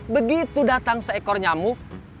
begitu datang seekor nyamuk